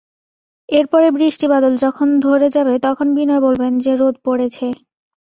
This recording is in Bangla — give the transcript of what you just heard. এর পরে বৃষ্টিবাদল যখন ধরে যাবে তখন বিনয় বলবেন, যে রোদ পড়েছে!